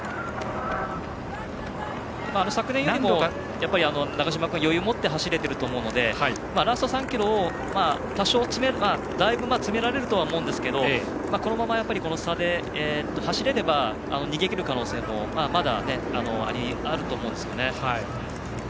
昨年よりも長嶋君は余裕を持って走れていると思うのでラスト３ｋｍをそこで、だいぶ詰められるとは思うんですけれどもこのままこの差で走れれば逃げ切る可能性もまだあると思うんですよね。